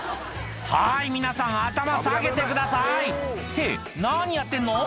「はい皆さん頭下げてください」って何やってんの？